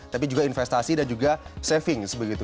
tapi juga investasi dan juga savings begitu